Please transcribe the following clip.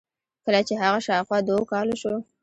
کله چې هغه شاوخوا د اوو کالو شو.